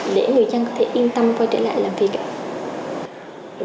để người dân có thể yên tâm quay trở lại làm việc ạ